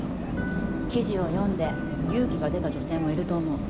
記事を読んで勇気が出た女性もいると思う。